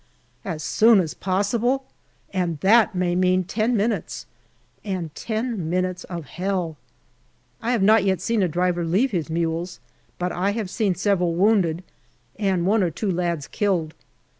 As soon as possible ! and that may mean ten minutes, and ten minutes of Hell. I have not yet seen a driver leave his mules, but I have seen several wounded and one or two lads killed.